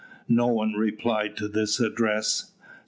No one replied to this address.